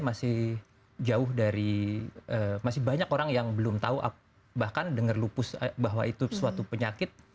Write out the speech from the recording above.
masih jauh dari masih banyak orang yang belum tahu bahkan dengar lupus bahwa itu suatu penyakit